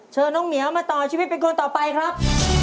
เชิญน้องเหมียวมาต่อชีวิตเป็นคนต่อไปครับ